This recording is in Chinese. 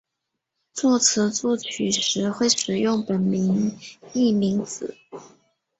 作词及作曲时会使用本名巽明子。